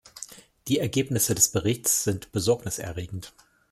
Die Ergebnisse des Berichts sind besorgniserregend.